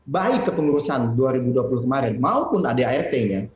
baik ke pengurusan dua ribu dua puluh kemarin maupun adrt nya